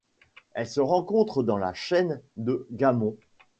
Elle se rencontre dans la chaîne de Gammon.